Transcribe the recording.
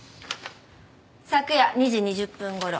昨夜２時２０分ごろ。